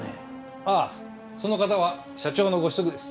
ああその方は社長のご子息です。